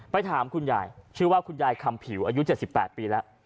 ถามคุณยายชื่อว่าคุณยายคำผิวอายุ๗๘ปีแล้ว